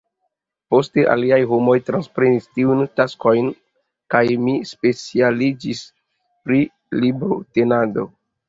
Poste aliaj homoj transprenis tiun taskon, kaj mi specialistiĝis pri librotenado.